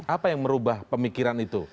apa yang merubah pemikiran itu